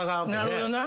なるほどな。